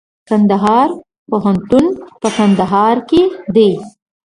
کندهار پوهنتون په کندهار کي دئ.